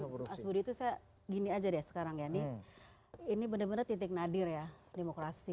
mas budi itu saya gini aja deh sekarang ya ini benar benar titik nadir ya demokrasi